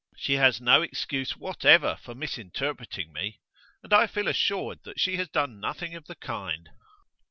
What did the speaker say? She has no excuse whatever for misinterpreting me. And I feel assured that she has done nothing of the kind.